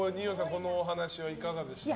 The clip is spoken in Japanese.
このお話はいかがでしたか。